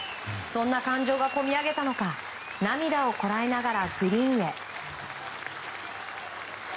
そんな感情が込み上げたのか涙をこらえながらグリーンへ。